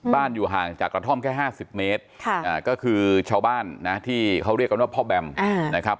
อยู่ห่างจากกระท่อมแค่๕๐เมตรก็คือชาวบ้านนะที่เขาเรียกกันว่าพ่อแบมนะครับ